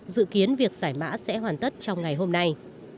dự kiến việc giải mã sẽ hoàn tất trong ngày hôm nay